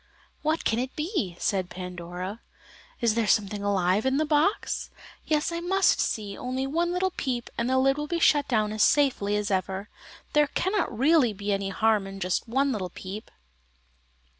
"What can it be?" said Pandora. "Is there something alive in the box? Yes, I must just see, only one little peep and the lid will be shut down as safely as ever. There cannot really be any harm in just one little peep."